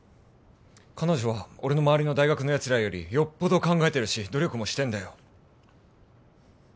彼女は俺のまわりの大学のやつらよりよっぽど考えてるし努力もしてるんだよ